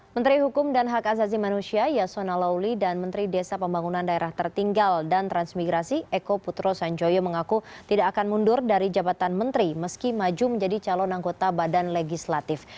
menteri hukum dan hak azazi manusia yasona lauli dan menteri desa pembangunan daerah tertinggal dan transmigrasi eko putro sanjoyo mengaku tidak akan mundur dari jabatan menteri meski maju menjadi calon anggota badan legislatif